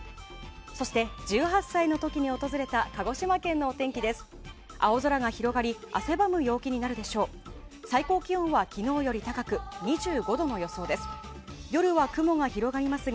そして、１８歳の時に訪れた鹿児島県の天気です。